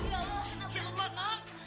nand kenapa nand